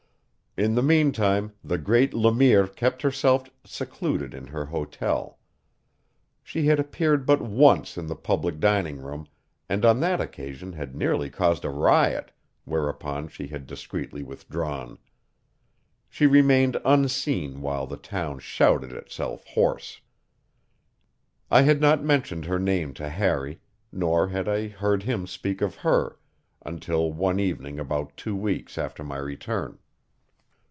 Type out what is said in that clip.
In the mean time the great Le Mire kept herself secluded in her hotel. She had appeared but once in the public dining room, and on that occasion had nearly caused a riot, whereupon she had discreetly withdrawn. She remained unseen while the town shouted itself hoarse. I had not mentioned her name to Harry, nor had I heard him speak of her, until one evening about two weeks after my return.